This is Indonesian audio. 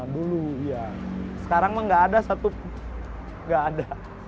dulu iya sekarang mah nggak ada satu nggak ada